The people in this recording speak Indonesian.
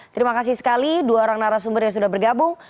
terima kasih sekali dua orang narasumber yang sudah bergabung